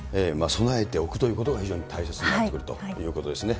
備えておくということが非常に大切になってくるということですね。